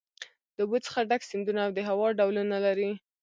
د اوبو څخه ډک سیندونه او د هوا ډولونه لري.